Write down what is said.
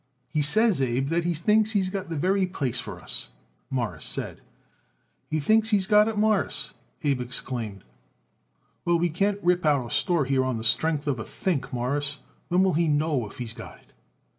"He says, Abe, that he thinks he's got the very place for us," Morris said. "He thinks he got it, Mawruss," Abe exclaimed. "Well, we can't rip out our store here on the strength of a think, Mawruss. When will he know if he's got it?"